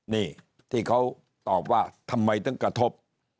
นี่ที่เขาตอบว่าทำไมต้องกระทบ